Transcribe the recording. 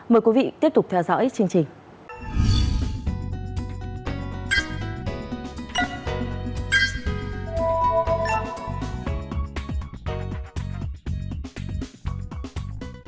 mời quý vị tiếp tục theo dõi chương trình